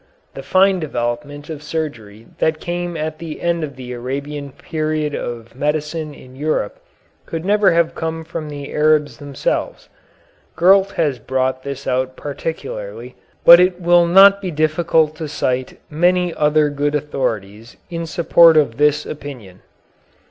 The fine development of surgery that came at the end of the Arabian period of medicine in Europe could never have come from the Arabs themselves. Gurlt has brought this out particularly, but it will not be difficult to cite many other good authorities in support of this opinion.